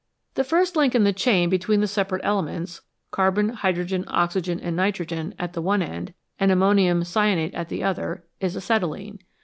The first link in the chain between the separate elements, carbon, hydrogen, oxygen, and nitrogen at the one end, and ammonium cyanate at the other, is acetylene.